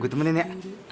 gue temenin ya